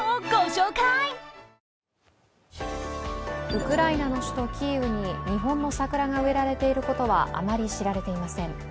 ウクライナの首都・キーウに日本の桜が植えられていることはあまり知られていません。